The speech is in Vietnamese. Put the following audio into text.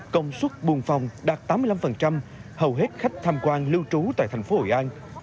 công suất buồn phòng đạt tám mươi năm hầu hết khách tham quan lưu trú tại thành phố hội an